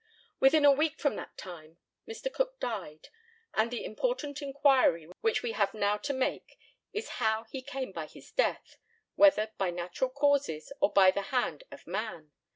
Within a week from that time Mr. Cook died, and the important inquiry which we have now to make is how he came by his death whether by natural causes or by the hand of man?